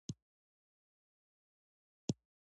خو له چین او روسیې سره نږدې دي.